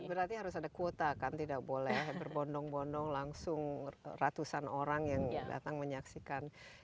berarti harus ada kuota kan tidak boleh berbondong bondong langsung ratusan orang yang datang menyaksikan